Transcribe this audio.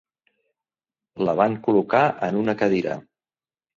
La van col·locar en una cadira.